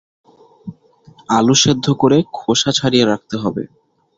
আলু সেদ্ধ করে খোসা ছাড়িয়ে রাখতে হবে।